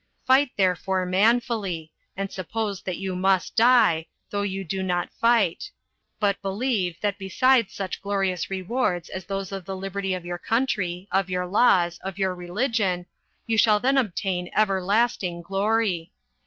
Fight therefore manfully; and suppose that you must die, though you do not fight; but believe, that besides such glorious rewards as those of the liberty of your country, of your laws, of your religion, you shall then obtain everlasting glory.